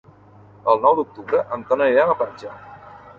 El nou d'octubre en Ton anirà a la platja.